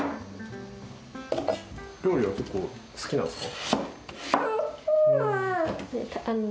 料理は結構好きなんですか？